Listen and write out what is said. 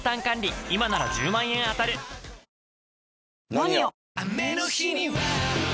「ＮＯＮＩＯ」！